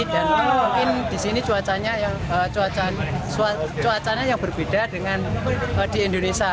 dan mungkin disini cuacanya yang berbeda dengan di indonesia